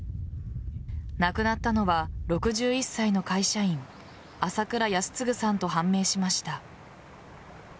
亡くなったのは６１歳の会社員朝倉泰嗣さんと判明しました。